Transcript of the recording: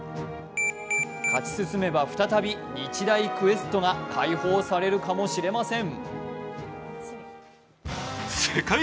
勝ち進めば、再び日大クエストが解放されるかもしれません。